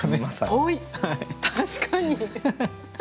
確かに。